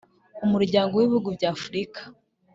Umuryango w Ibihugu by Afurika